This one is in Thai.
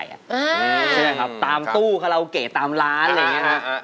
ข้อความรึยัง